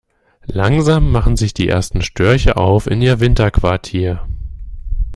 Langsam machen sich die ersten Störche auf in ihr Winterquartier.